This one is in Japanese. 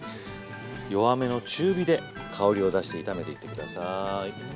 弱めの中火で香りを出して炒めていって下さい。